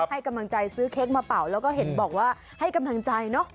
ให้กำลังใจซื้อเค้กมาเป่าแล้วก็เห็นบอกว่าให้กำลังใจเนอะ